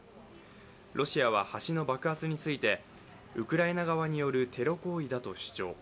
ロシアは橋の爆発についてウクライナ側によるテロ行為だと主張。